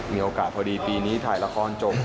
มีโอกาสพอดีปีนี้ถ่ายละครจบ